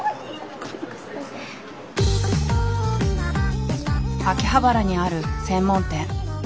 秋葉原にある専門店。